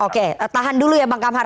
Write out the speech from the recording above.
oke tahan dulu ya bang kamhar